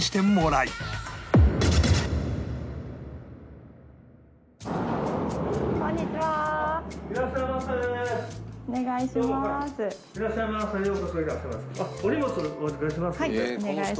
はいお願いします。